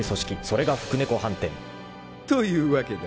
［それが福猫飯店］というわけだ。